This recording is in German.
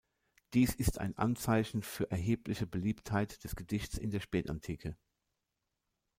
Dies ist ein Anzeichen für erhebliche Beliebtheit des Gedichts in der Spätantike.